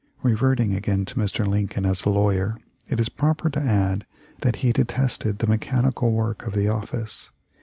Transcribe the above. Reverting again to Mr. Lincoln as a lawyer, it is proper to add that he detested the mechanical work of the office.